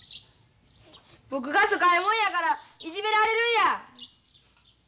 僕が疎開もんやからいじめられるんや！